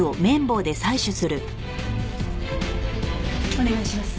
お願いします。